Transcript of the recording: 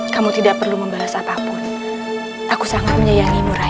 kamu tidak perlu membalas apapun aku sangat menyayangimu ray